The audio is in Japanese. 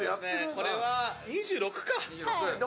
これは２６か。